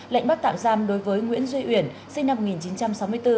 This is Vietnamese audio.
lệnh bắt tạm giam đối với nguyễn duy uyển sinh năm một nghìn chín trăm sáu mươi bốn